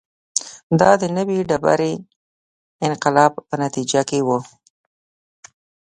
دا د نوې ډبرې انقلاب په نتیجه کې و